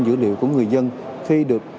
dữ liệu của người dân khi được